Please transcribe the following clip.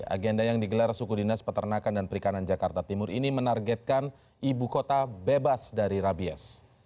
agenda yang digelar suku dinas peternakan dan perikanan jakarta timur ini menargetkan ibu kota bebas dari rabies